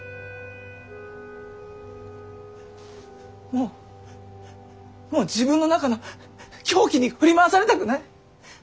もうもう自分の中の狂気に振り回されたくない。